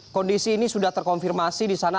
kondisi ini sudah terkonfirmasi di sana